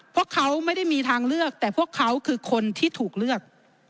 พวกเขาไม่ได้มีทางเลือกแต่พวกเขาคือคนที่ถูกเลือก